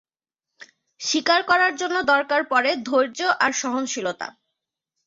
শিকার করার জন্য দরকার পড়ে ধৈর্য আর সহনশীলতা।